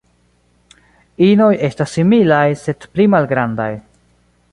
Inoj estas similaj, sed pli malgrandaj.